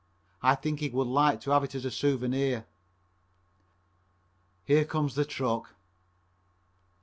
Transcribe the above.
I think he would like to have it as a souvenir. Here comes the truck.